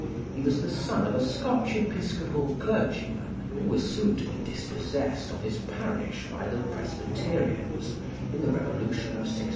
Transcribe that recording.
He was the son of a Scotch Episcopal clergyman, who was soon to be dispossessed of his parish by the Presbyterians in the Revolution of 1688.